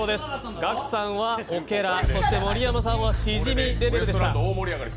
ガクさんはオケラ、そして盛山さんはシジミレベルでした。